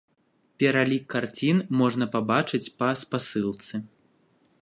Пералік карцін можна пабачыць па спасылцы.